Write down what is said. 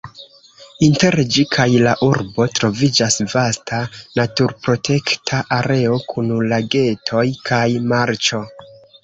Inter ĝi kaj la urbo troviĝas vasta naturprotekta areo kun lagetoj kaj marĉo.